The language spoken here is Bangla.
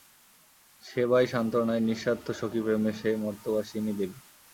সেবায় সান্ত্বনায়, নিঃস্বার্থ সখীপ্রেমে সে মর্তবাসিনী দেবী।